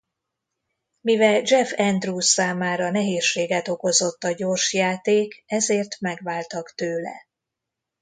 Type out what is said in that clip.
Mivel Jeff Andrews számára nehézséget okozott a gyors játék ezért megváltak tőle.